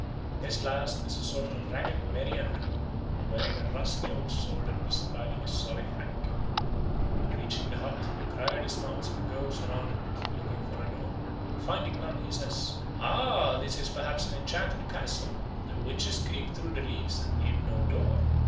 This last is a sort of ragged merryandrew, wearing a rusty old sword and bestriding a sorry hack. On reaching the hut the crier dismounts and goes round it looking for a door. Finding none, he says, "Ah, this is perhaps an enchanted castle; the witches creep through the leaves and need no door."